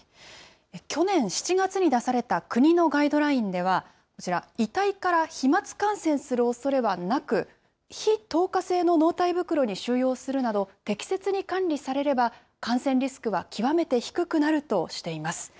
去年７月に出された国のガイドラインでは、こちら、遺体から飛まつ感染するおそれはなく、非透過性の納体袋に収容するなど、適切に管理されれば、感染リスクは極めて低くなるとしています。